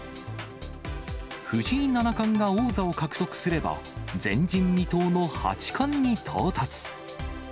藤井七冠が王座を獲得すれば、前人未到の八冠に到達。